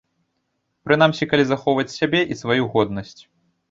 Прынамсі, калі захоўваць сябе і сваю годнасць.